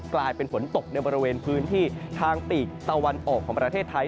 กลายเป็นฝนตกในบริเวณพื้นที่ทางปีกตะวันออกของประเทศไทย